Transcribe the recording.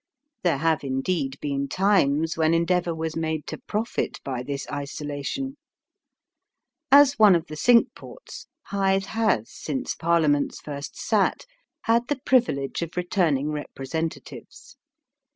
There have indeed been times when endeavour was made to profit by this isolation. As one of the Cinque Ports Hythe has since Parliaments first sat had the privilege of returning representatives.